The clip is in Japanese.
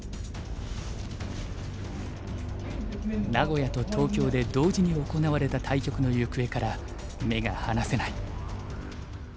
名古屋と東京で同時に行われた対局のゆくえから目が離せない。